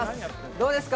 どうですか？